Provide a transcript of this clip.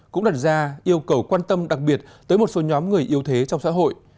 cũng đặt ra yêu cầu quan tâm đặc biệt tới một số nhóm người yếu thế trong xã hội